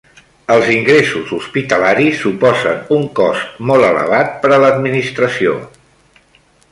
Els ingressos hospitalaris suposen un cost molt elevat per a l'administració.